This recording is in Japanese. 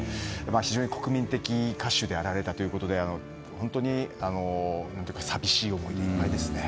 非常に国民的歌手であられたということで本当に、寂しい思いでいっぱいですね。